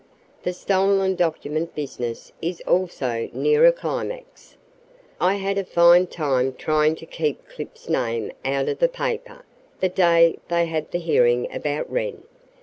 The stolen document business is also near a climax. I had a fine time trying to keep Clip's name out of the paper, the day they had the hearing about Wren.